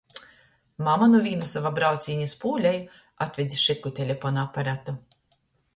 Mama nu vīna sova braucīņa iz Pūleju atvede šiku telepona aparatu.